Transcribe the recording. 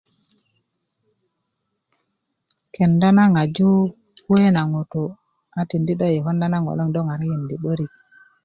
kenda na ŋaju kuwe na ŋutu a tindi do i konda ŋo do ŋarakinda na 'börik